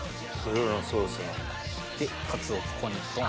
でカツをここにドン！